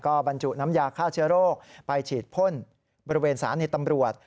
บรรจุน้ำยาฆ่าเชื้อโรคไปฉีดพ่นบริเวณสถานีตำรวจ